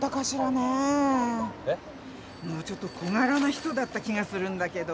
もうちょっと小がらな人だった気がするんだけど。